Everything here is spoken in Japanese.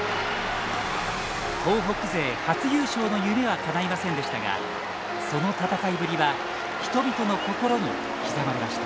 東北勢初優勝の夢はかないませんでしたがその戦いぶりは人々の心に刻まれました。